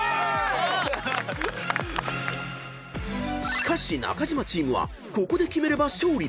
［しかし中島チームはここでキメれば勝利］